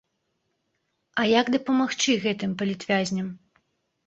А як дапамагчы гэтым палітвязням?